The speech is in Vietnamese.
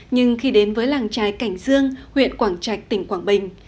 nhưng khi đến với làng trái cảnh dương huyện quảng trạch tỉnh quảng bình